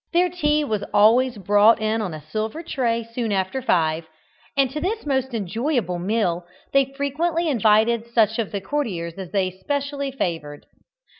Their tea was always brought in on a silver tray soon after five, and to this most enjoyable meal they frequently invited such of the courtiers as they specially favoured.